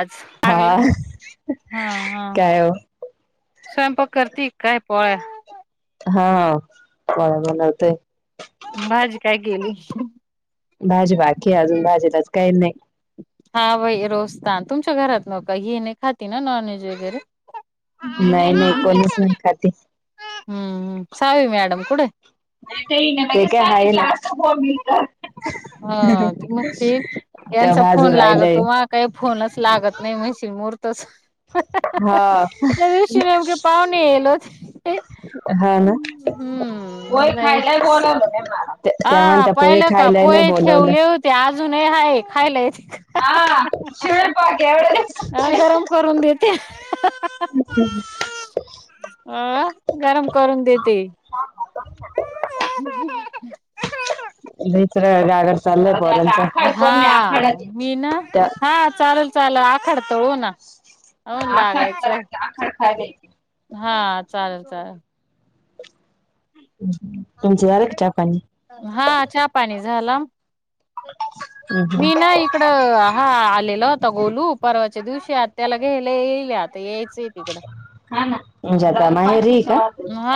आज लागला हा हा हा. काय हो स्वयंपाक करती काय पोळ्या हो पोळ्या बनवते. भाजी काय केली? भाजी बाकी अजून भाजीलाच काही नाही. हा वई रोजता तुमच्या घरात नका घरात ते हे नाही खाती ना नॉन व्हेज वगैरे नाही नाही कोणीच नाही खात. हम्म् सावी मॅडम कुढे? ते काय आहे न [unintelligible] हशित त्या यांचा बाजू फोन राहिलय लागतो म काही फोनच लागत नाही म्हणश मुहूर्त हा त्या दिवशी नेमके पाहुणे येल होते. हा ना. पोहे हम्म नाही खायला बोलवलं त्यांना. त्या म्हणताय पोहे खायला नाही बोलवलं. ते अजून हाय खायला हा शिळ्या पाक्यावर अ गरम करून देते. [inaudible] अ गरम करून देते. लईच रडगाग चाललय पोराचं. हा मी ना हा चालेल. चाल आखड तळू ना अन लागायचंय. खाली हा चालतंय. तुमची झाली का चहा पाणी? हा पाणी झाला मी नाही तिकड हा आलेला होता गोलू. परवाच्या दिवशी आ त्याला घेयले येल आता यायचंय तिकडं. हा ना तुम्ही जाता माहेरी. हा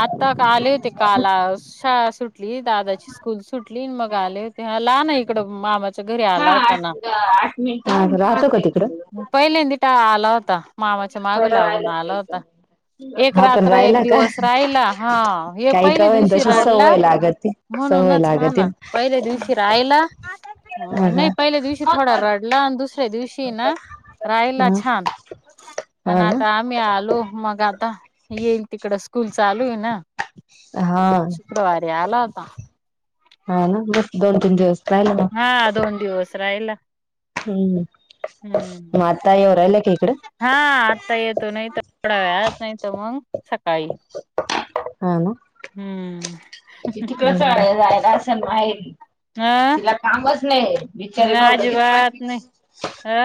आता आले होते काल. शाळा सुट दादाची स्कूल सुटली मग आले होते. लाहाना इकड मामा हा आठ आठ मिनिट, राहतो का तिकड. पहिलेंदी टाळा आला होता. मामाच्या माग थोडं लागून राहिलंच आला होता. नाही. एक हा पण रात एक राहिला का दिवस राहिला. हा हे काही का पहिले होईन दिवशी तशी रडला. सवय लागती. सवय म्हणूनच हा लागते ना, पहिल्या दिवशी राहिला, ह नाही पहिल्या दिवशी थोडा रडला. आणि दुस दुसऱ्या दिवशी आहे ना ह रायला ह छान. हा आणि ना आता आम्ही आलो मग आता येईल तिकड स्कूल चालू आहे ना. हा शुक्रवारी आला होता हा ना बस दोन तीन दिवस राहिले मग हा दोन दिवस राहिला. हम्म हम्म म आता येऊ राहिला का इकड. हा आता येतो. नाही तर थोडा वेळात. नाही तर मग सकाळी. हा ना हम्म ती तिकडेच जायल असल माहेरी. अ नाही तिला कामच नाही. बिचारे भाऊ लगेच अजिबात पाहतील. नाही अ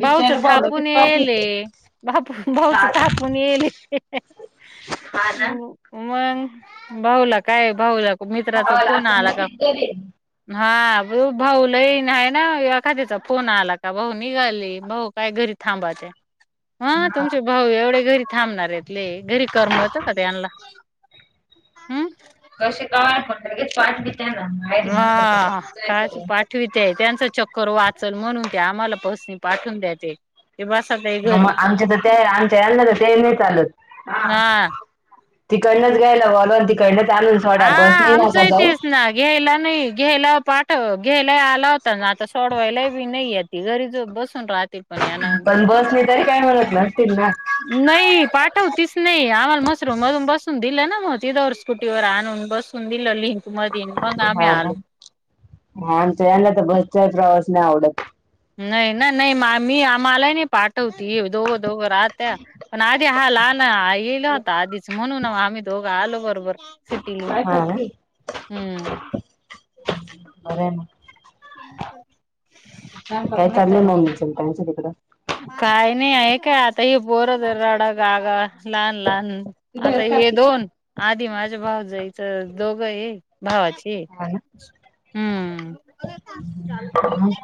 भाऊच थापून येयल हे. बापू भाऊच थापून येयल हे. उ मग भाऊला काय भाऊला मित्राचा फोन आला का हा भा भाऊ लईन आहे ना. ए एखाद्याचा फोन आला का भाऊ निघाले. भाऊ काय घरी थांबत्या. ह तुमचे भाऊ एवढे घरी थांबणार आहेत. ले घरी कर्मत का त्यांला हम्म [unintelligible] ठुवीत्या, त्यांचा चक्कर वाचल म्हणून ते आम्हाला बसनी पाठवून देते. मग आमच्या तर ते आमच्या यांना तर तेही नाही चालत. हा तिकडनच घ्यायला बोलवा. आणि तिकडनच आणून हा सोडा. बसने नका आमचंही जाऊ. तेच ना घ्यायला नाही घ्यायला पाठव घ्यायला आला होता. आता सोडवायला बी नाही येत. ते घरीच बसून राह पण बसने तरी काही म्हणत नसतील ना. नाही पाठवतीच नाही. आम्हाला मसरूळ अधून बसून दिल ना मग. ति त्यावर स्कुटीवर आणून बसून दिल लिंकमधी. मग आम्ही आलो. ह आमच्या यांना तर बसचाही प्रवास नाही आवडत. नाही ना नाही मी मलाही नाही पाठवती. हे दोघ दोघ राहत त्या पण आधी हा लाहना येईल होता आधीच. म्हणून आम्ही दोघ आलो बरोबर. सिटी काय लिंक करतीये हम्म. हा ना, बर आहे ना. काय चालल आहे मौनीचन त्यांच तिकड. काही नाही आहे हे काय आता हे पोर रड गागा लहान लहान. आता हे दोन, आधी माझ्या भाऊजाईच दोघ आहे. भावाचे हम्म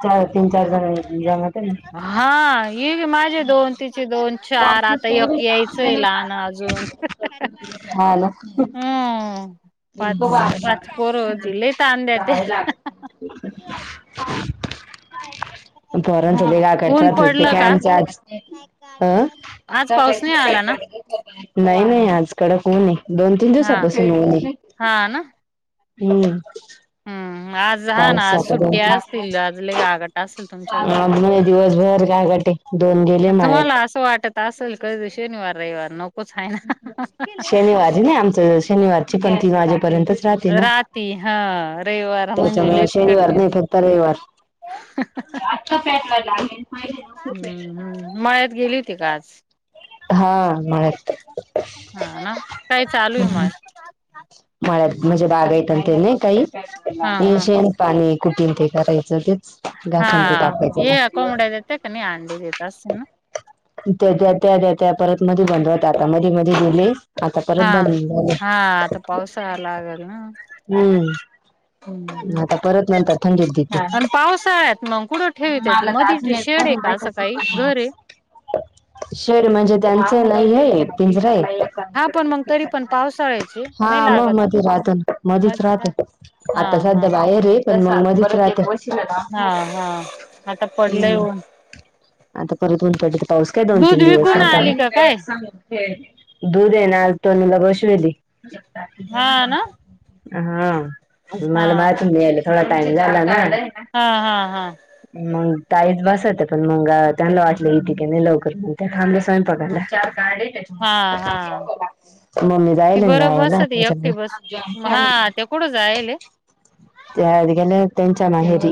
चार तीन चार जणांनी तरी जामायच ना. हा ये बि माझे दोन. तिचे दोन. चार आता एक यायचय लहान अजून. हा ना हम्म. पाच पाच पोर होती. लय ताण देत्या. पोरांच लई घाट ऊन कटत होते. पडलं काय का आमच आज अ आज पाऊस नाही आला ना नाही नाही, आज कडक ऊन ए. दोन तीन हा दिवसापासून ऊन ए. हा ना हुं. हम्म आज हा ना, आज दोन सुट्टी तीन असतील आज लई [unintelligible] आसल तूमच्या घरी, आज दिवसभर गागाट आहे दोन गेले तुम्हाला माळ्यात असं वाटत आसल क शनिवार रविवार नक शनिवारी नाही आमच शनिवारी चीकण तीन वाजेपर्यंत राहती हा. रविवार म्हणजे त्याच्यामुळे लईच शनिवार कठीण नाही फक्त रविवार [inaudible] हू हू मळ्यात गेली हो ती का आज? हा मळ्यात. हा ना काय चालू आहे मळ्यात [inaudible] मळ्यात म्हणजे बागायतं आणि ते नई हा हा काई पाणी कुठून ते करायचं तेच हा घासून ते कापायचं ना ये कोबड्या देते का नाही अंडी, देत असन ना देत्या देत्या देत्या परत मधी बंद होत आता, मधी मधी दिली हा. हा. आता पावसाळा लागेल ना. हम्म आता परत नंतर थंडीत देते आण पावसाळ्यात मग कुठ ठेवित्यात मधी ठेवले का आज सकाळी? शेड म्हणजे त्यांच नाहीए, पिंजरा हाय. हा पण मग तरी पण पावसाळ्याची नाही हा मग लागत मध्ये राहत ना, मधीचं राहत ते हा आता हा सध्या बाहेर ये, पण मग मधींच राह हा हा आता पडलंय हम् [unintelligible] ऊन आता परत ऊन पडल तर, पाऊस काय दोन दूध तीन दिवस विकून होता. आली का काय दूध ये ना महिस याली हा ना [inaudible] हा हा मला माहितीच नाही यायला, कवा टाइम झाला ना. हा हा हा. मग ताईच बसत्या पण मग त्यांनला वाटलं येते की नाही लवकर, म्हनुन त्या थांबल्या स्वयंपाकाना हा हा मम्मी ती जायले ना बरं गावाला कुठ जायाले? त्या आज गेल्या हायत त्यांच्या माहेरी.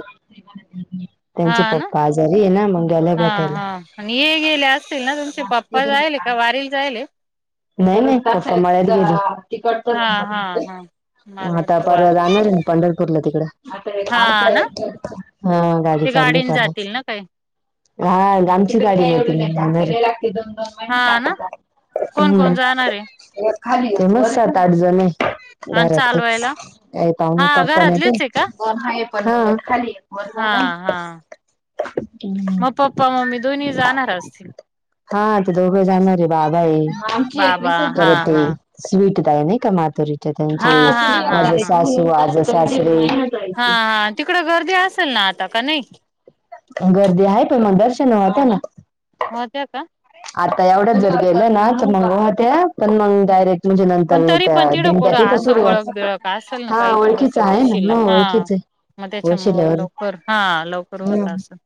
हा त्यांचे ना, पप्पा आजारी आहे ना मग गेल्या हा भेटायला. हा आणि ये गेले असतील ना, तुमचे पप्पा जायाले का वारी जायले? नाही नाही पप्पा मळ्यात हा हा गेले. हा म मला आता वाटत वा परवा जाणार आहे ना, पंढरपूरला तिकड. हा ना हा गाडी ते चालली गाडीने परवाच. जातील ना काही हा गा आमचीच गाडी होती [unintelligible] हा ना? कोण हूम्म कोण जाणार आहे ते मस स ताआठ जण हाएत. आणि घरातच चालवायला त्याय पाहणी हा पप्पा नाही तर घरातलेच आहे का ह पण खाली हा झाला [unintelligible] म पप्पा मम्मी दोन्ही जाणार असतील. हा ते दोघंही जाणारे, बाबा आये बाबा हा परत ते हा स्वीट त आहे नाही का? मातुरीच्या हा हा त्यांचे हा माझं हा सासू आज सासू [unintelligible] तिकड गर्दी असेल ना आता? का नाही? गर्दी आहे पण मग दर्शन व होत्या ना होते का? आता एवढंच जर गेलं ना तर मग होत्या पण मग डायरेक्ट म्हणजे पण नंतर तरी पण त्या तिकडं दिंड्या कुडं ते तर असं ओळख सुरुवात बिळख असेल ना हा काही थोडस ओळखीच आहे ना वशिला मग हा ओळखीच आहे. मग त्याच्या मूळे वशिल्यावर लवकर हा लवकर होत असं.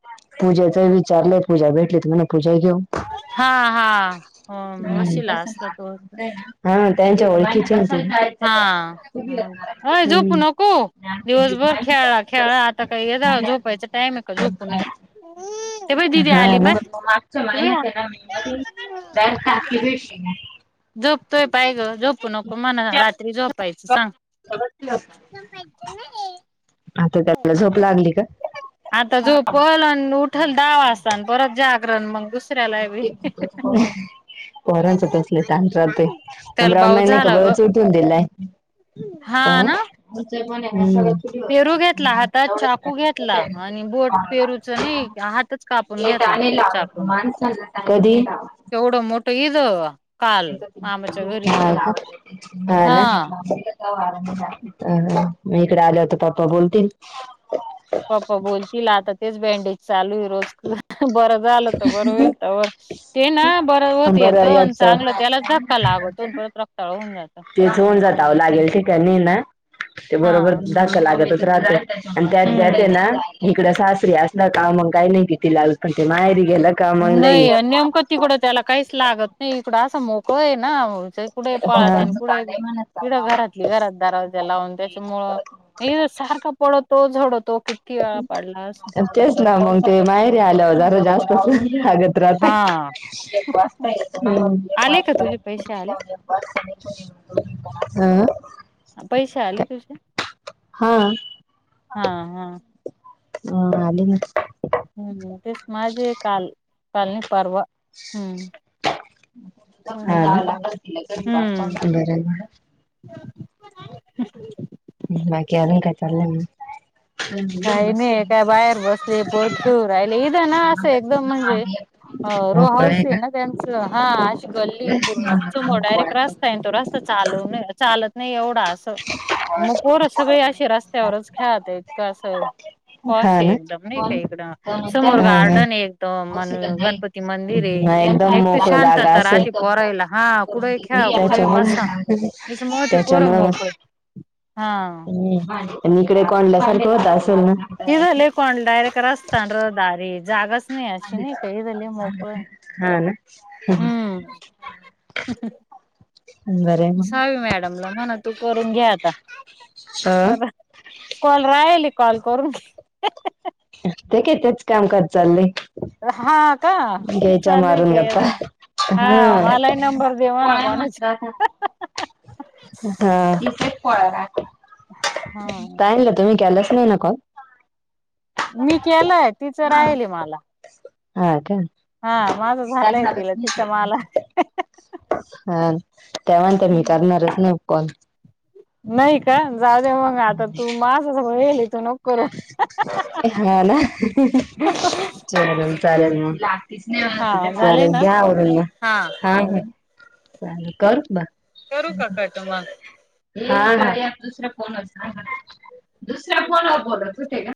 पूजेच विचारलंय पूजा भेटली तर मग पूजा घेऊ. हा हा हो वशिला असला तो हा त्यांच्या ओळखीचे ते हाय झोपू हम्म नको दिवसभर खेळाळा खेळा आता आता काही य झोपायचा टाइम आहे का झोपू नये ते बाई दिदी हा आली पाय मागच्या ते बाई महिन्यातला मी झोपतोय पाहिलं ग झोप नको. तु म्हण रात्री झोपायचं सांग आता तर त्याला झोप लागली का? आता झोपल आणि उठलं दहा वाजताना परत जागरण मग दुसऱ्याला बी परांचात असले तांढराात [unintelligible] नम त्याला बाऊ अम्ने झाला ग कबळच उठून दिलाय [unintelligible] हा ना हम्म पेरू घेतला हातात चाकू घेतला आणि बोट पेरूच नाही हातच कापून घेतला. चाकून माणसाने कधी? एवढं मोठं इज हा का हा ना मग इकडे आल्यावर तर पप्पा बोलतील. पप्पा बोलतील आता तेच बँनडेज चालू आहे रोज बरं झालं तर बरं होईल. ते ना बरं पण होत येत बरं आणि याच चांगलं त्याला धक्का लागवतो परत रक्ताळ होन जातो. तेच होऊन जातं लागेल ठीक आहे नाही ना ते हा बरोबर धक्का लागतच राहत. आणि त्यात हम्म ना इकडं सासरी असला का मग काही नाही किती लाव मे माहेरी गेला का मग लई नाही आणि नेमकं तिकडं त्याला काहीच लागतं नाही इकडं असं मोकळं आहे ना कुठे पळात हा आणि कुठे किड घरातली घरात दरवाजा लावून त्याच्यामुळं सारखा पडतो झडवतो किती वेळा पडला असेल. तेच ना मग ते माहेरी आल्यावर जरा जास्त हा वाता [unintelligible] आले का तुझे पैसे आले आ पैसे आले तुझे? हा हा हा अ आले ना हम्म तेच माझे काल कालनी पर्व हम्म हा परवा आले. ना हम्म बरं झाले. हम् ह केवून काय चाल ना [unintelligible] काही नाही काय बाहेर बसले पोर खेळू राहिले इथं ना असं एकदम म्हणजे अ रो मोकळ हाऊस आहे ना का त्यांचं हा अशी गल्ली पूर्ण समोर डायरेक्ट रास्ता आहे तो रास्ता चालू चालत नाही एवढा असा मग पोर सगळी अशी रस्त्यावरच खेळत आहेत का असं पॉश हा आहे ना. एकदम नाही का हा इकड समोर गार्डन आहे एकदम अण गणपती मंदिर आहे हा एकदम नित्य मोकळ जागा शांतता असेल. राहती पोरायला हा कुठेही खेळा कुठेही बसायला हम त्या पोर मोकळे हा इकडे कोडल्यासारखं होत असेल ना इथ लई कोणडा लेकर असतान दारी जागाच नाही अशी नाही काही झाली मोकळ हा ना हम्म हम् हम ह बरं आहे मग सावी मॅडमला म्हण तू करून घे आता अ कॉल राहिले कॉल करून घे ते का तेच कामकाज चाललय हाव का हे चालूये मारून गे गप्पा [inaudible] हा मलाई नंबर देवाना कोणाचे हा हा हा [inaudible] हा काय [inaudible] तुम्ही केलाच नाही ना कॉल मी केलंय तिचं राहिलय मला हा काय हा माझं झालंय तिला तिचा माला ह ह हा त्या म्हणतात मी करणारच नाही कॉल नाही का जाऊ दे मग आता तू [unintelligible] नको करू [inaudible] ला ह ह ह चालल चालेल मग हा झाले चालेल ना घ्या आवरून मग हा हा चालेल करू का करू का कट मग हा हा दुसऱ्या फोनवर दुसऱ्या फोनवर बोलत होते ग